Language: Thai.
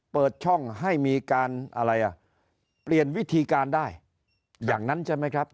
เปิดช่องให้มีการอะไรอ่ะเปลี่ยนวิธีการได้อย่างนั้นใช่ไหมครับ